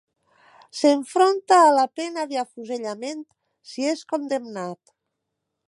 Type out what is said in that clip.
S'enfronta a la pena d'afusellament si és condemnat.